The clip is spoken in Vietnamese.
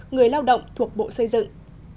người lao động thuộc bộ xây dựng